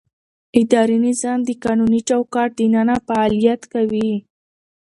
اداري نظام د قانوني چوکاټ دننه فعالیت کوي.